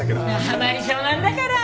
ハマり性なんだから！